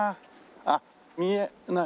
あっ見えない。